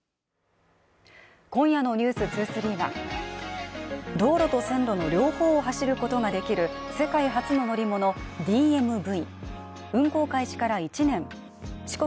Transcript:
今夜の「ｎｅｗｓ２３」は道路と線路の両方を走ることができる世界初の乗り物ＤＭＶ。